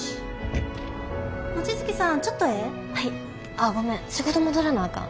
ああごめん仕事戻らなあかん。